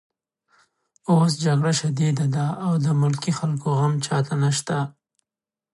اوس جګړه شدیده ده او د ملکي خلکو غم چاته نشته